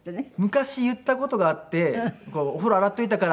昔言った事があって「お風呂洗っといたから」。